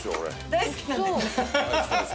大好きなんです。